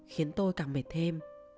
khiến tôi càng mệt thêm